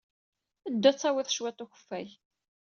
Ddu ad d-tawyed cwiṭ n ukeffay.